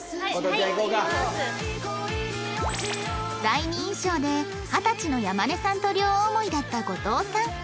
第二印象で二十歳の山根さんと両思いだった後藤さん